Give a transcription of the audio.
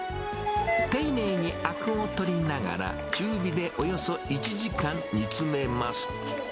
丁寧にあくを取りながら、中火でおよそ１時間煮詰めます。